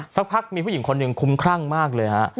สักพักมีผู้หญิงคนหนึ่งคุ้มครั่งมากเลยฮะ